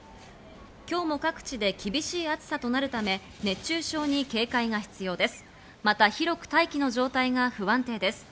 今日も各地で厳しい暑さとなるため、熱中症に警戒が必要です。